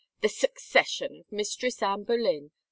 " The succession — of Mistress Anne Boleyn!